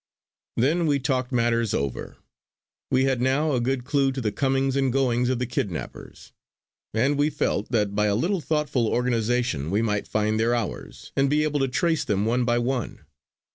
Then we talked matters over. We had now a good clue to the comings and goings of the kidnappers; and we felt that by a little thoughtful organisation we might find their hours, and be able to trace them one by one.